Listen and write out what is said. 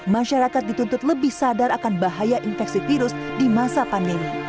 masyarakat dituntut lebih sadar akan bahaya infeksi virus di masa pandemi